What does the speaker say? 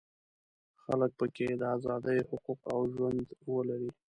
خلک په کې د ازادیو حقوق او ژوند ولري.